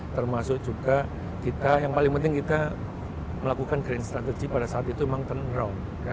termasuk juga kita yang paling penting kita melakukan green strategy pada saat itu memang tunneround